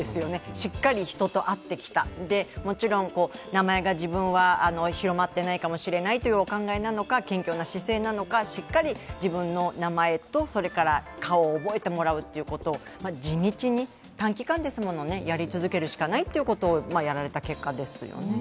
しっかり人と会ってきた、もちろん、名前が、自分は広まっていないというお考えなのか、謙虚な姿勢なのか、しっかり自分の名前とそれから顔を覚えてもらうってことを地道に、短期間ですもんね、やり続けるしかないということをやられた結果ですよね。